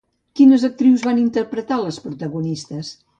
Quines actrius van interpretar les protagonistes?